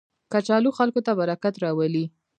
کچالو خلکو ته برکت راولي